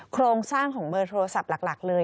โครงสร้างของเบอร์โทรศัพท์หลักเลย